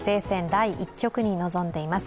第１局に臨んでいます。